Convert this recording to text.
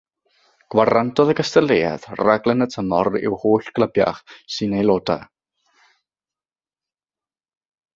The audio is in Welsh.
Gwarantodd y gystadleuaeth raglen y tymor i'w holl glybiau sy'n aelodau.